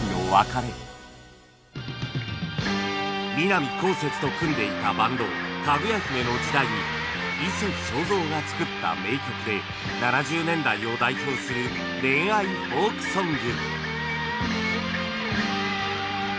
南こうせつと組んでいたバンドかぐや姫の時代に伊勢正三が作った名曲で７０年代を代表する恋愛フォークソング